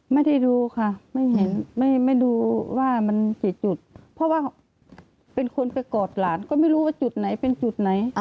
ไม่ได้ดูค่ะไม่เห็นไม่ดูว่ามันกี่จุดเพราะว่าเป็นคนไปกอดหลานก็ไม่รู้ว่าจุดไหนเป็นจุดไหน